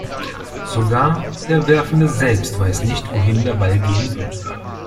Sogar der Werfende selbst weiß nicht, wohin der Ball gehen wird.